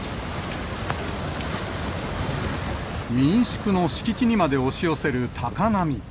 民宿の敷地にまで押し寄せる高波。